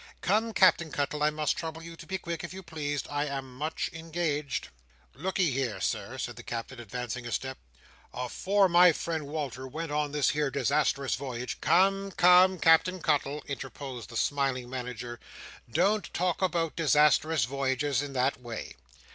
Come, Captain Cuttle, I must trouble you to be quick, if you please. I am much engaged." "Lookee here, Sir," said the Captain, advancing a step. "Afore my friend Wal"r went on this here disastrous voyage—" "Come, come, Captain Cuttle," interposed the smiling Manager, "don't talk about disastrous voyages in that way.